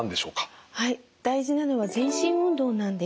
大事なのは全身運動なんです。